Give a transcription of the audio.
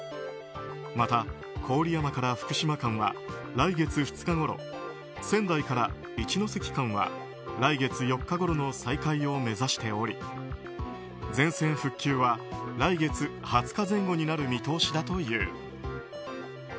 また、郡山福島間は来月２日ごろ仙台一ノ関間は来月４日ごろの再開を目指しており全線復旧は来月２０日前後になる見通しだという。